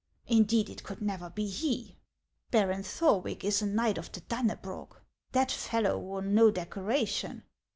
Indeed, it could never be he. Baron Thorwick is a knight of the Danne brog. That fellow wore no decoration.